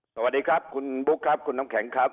สวัสดีครับคุณบุ๊คครับคุณน้ำแข็งครับ